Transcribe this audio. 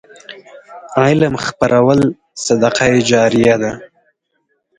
علم خپرول صدقه جاریه ده.